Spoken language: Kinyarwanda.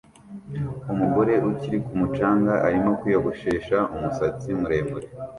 Umugore uri ku mucanga arimo kwiyogoshesha umusatsi muremure